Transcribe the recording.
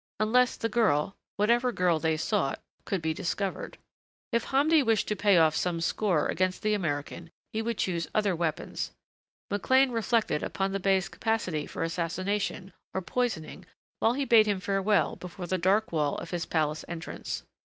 Unless the girl whatever girl they sought could be discovered. If Hamdi wished to pay off some score against the American he would choose other weapons. McLean reflected upon the bey's capacity for assassination or poisoning while he bade him farewell before the dark wall of his palace entrance.